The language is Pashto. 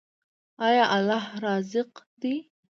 آیا الله رزاق دی؟